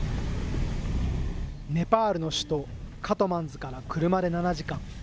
ネパールの首都カトマンズから車で７時間。